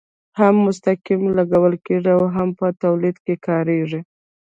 هم مستقیم لګول کیږي او هم په تولید کې کاریږي.